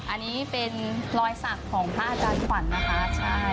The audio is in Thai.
อันนี้เป็นรอยสักของพระอาจารย์ขวัญนะคะใช่